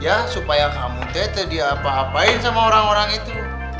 ya supaya kamu tete diapa apain sama orang orang itu